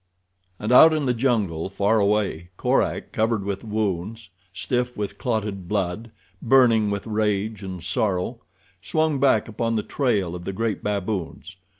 And out in the jungle, far away, Korak, covered with wounds, stiff with clotted blood, burning with rage and sorrow, swung back upon the trail of the great baboons.